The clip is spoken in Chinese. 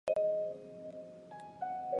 子荀逝敖。